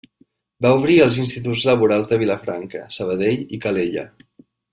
Va obrir els instituts laborals de Vilafranca, Sabadell i Calella.